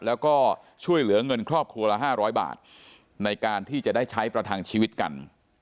แล้วก็ช่วยเหลือเงินครอบครัวละ๕๐๐บาทในการที่จะได้ใช้ประทังชีวิตกัน